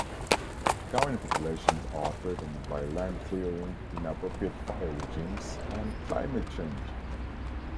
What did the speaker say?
Current populations are threatened by land clearing, inappropriate fire regimes and climate change.